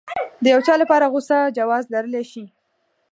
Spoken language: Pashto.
د يو چا لپاره غوسه جواز لرلی شي.